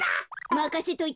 まかせといて。